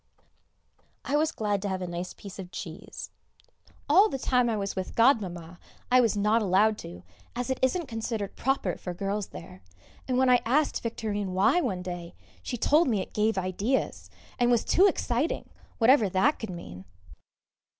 I was glad to have a nice piece of cheese. All the time I was with Godmamma I was not allowed to, as it isn't considered proper for girls there, and when I asked Victorine why one day, she told me it gave ideas, and was too exciting, whatever that could mean.